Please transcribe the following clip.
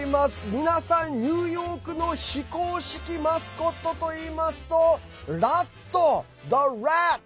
皆さん、ニューヨークの非公式マスコットといいますとラット、ＴｈｅＲａｔ！